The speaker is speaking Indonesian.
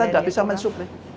ya kita nggak bisa mensuplai